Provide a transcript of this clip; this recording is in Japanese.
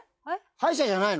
歯医者じゃないの？